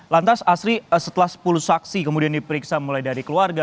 lantas asri setelah sepuluh saksi kemudian diperiksa mulai dari keluarga